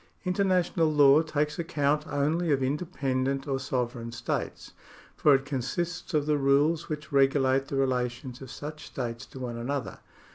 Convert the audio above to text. International law takes account only of independent or sovereign states, for it consists of the rules which regulate the relations of such states to one another.